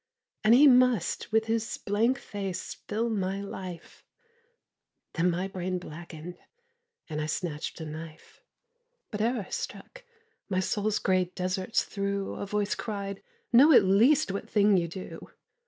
And he must with his blank face fill my life Then my brain blackened; and I snatched a knife. But ere I struck, my soul's grey deserts through A voice cried, 'Know at least what thing you do.'